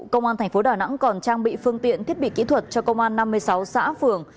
công an tp đà nẵng còn trang bị phương tiện thiết bị kỹ thuật cho công an năm mươi sáu xã phường